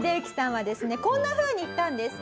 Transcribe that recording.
こんなふうに言ったんです。